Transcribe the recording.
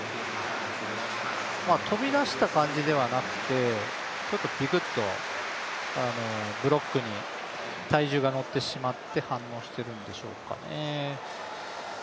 飛びだした感じではなくて、ちょっとビクッとブロックに体重がのってしまって、反応しているんでしょうかね。